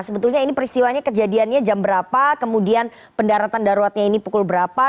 sebetulnya ini peristiwanya kejadiannya jam berapa kemudian pendaratan daruratnya ini pukul berapa